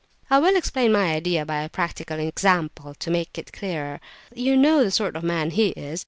"I will explain my idea by a practical example, to make it clearer. You know the sort of man he is.